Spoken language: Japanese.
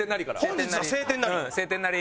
「本日は晴天なり」？